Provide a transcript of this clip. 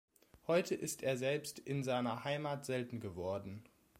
Heute ist er selbst in seiner Heimat selten geworden.